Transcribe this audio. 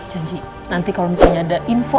janji nanti kalau misalnya ada info